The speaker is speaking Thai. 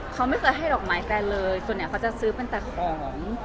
เขาไม่เคยให้ดอกไม้แฟนเลยส่วนใหญ่เขาจะซื้อเป็นแต่ของ